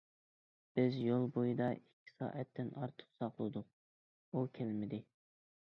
بىز يول بويىدا ئىككى سائەتتىن ئارتۇق ساقلىدۇق، ئۇ كەلمىدى.